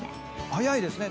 早いですね。